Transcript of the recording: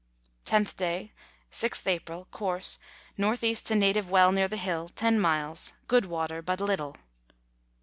10th day, Gth April. Course, N.E. to native well near the hill, 10 miles. Good water but little.